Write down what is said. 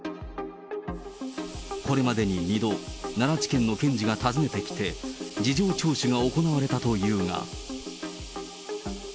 これまでに２度、奈良地検の検事が訪ねてきて、事情聴取が行われたというが。